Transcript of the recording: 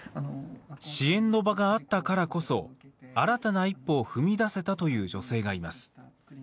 支援の場があったからこそ新たな一歩を踏み出せたという女性がいます。